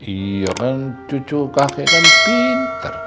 iya kan cucu kakek kan pinter